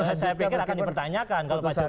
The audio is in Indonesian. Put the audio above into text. saya pikir akan dipertanyakan